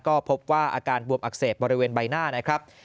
ก็พบว่าอาการบวมอักเสบบริเวณใบหน้านะครับ